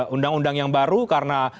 undang undang yang baru karena